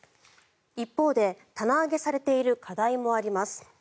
一方で棚上げされている課題もあります。